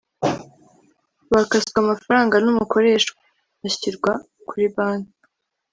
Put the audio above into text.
bakaswe amafaranga n Umukoresha ashyirwa kuri banki